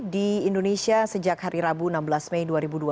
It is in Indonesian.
di indonesia sejak hari rabu enam belas mei dua ribu dua puluh